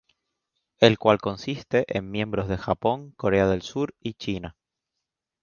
El cual consiste en miembros de Japón, Corea del Sur, y China.